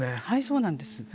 はいそうなんです。